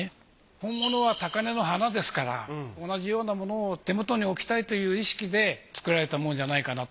本物は高嶺の花ですから同じようなものを手元に置きたいという意識で作られたものじゃないかなと。